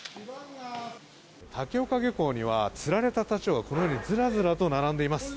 竹岡漁港には釣られたタチウオがこのようにずらずらと並んでいます。